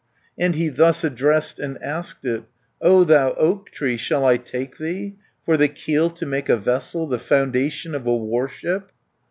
And he thus addressed and asked it: "O thou oak tree, shall I take thee, For the keel to make a vessel, The foundation of a warship?"